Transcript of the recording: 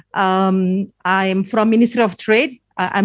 saya dari pemerintah pertahanan